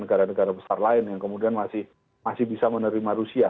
negara negara besar lain yang kemudian masih bisa menerima rusia